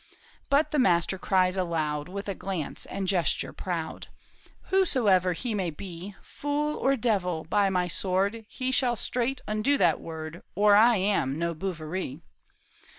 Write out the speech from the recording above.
" But the master cries aloud With a glance and gesture proud, '' Whosoever he may be. Fool or devil, by my sword He shall straight undo that word, Or I am no Bouverie !